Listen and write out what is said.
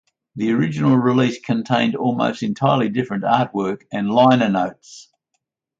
The original release contained almost entirely different artwork and liner notes.